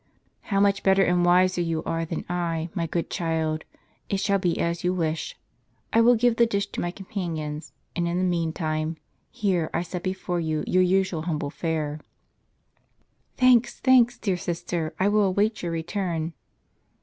" How much better and wiser you are than I, my good child ! It shall be as you wish. I will give the dish to my companions, and, in the meantime, here I set before you your usual humble fare." " Thanks, thanks, dear sister ; I will await your return."